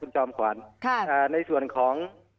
จอมขวัญในส่วนของ